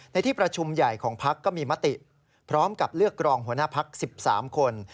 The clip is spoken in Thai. ในที่ประชุมใหญ่ของพักก็มีมติพร้อมกับเลือกรองหัวหน้าพัก๑๓คน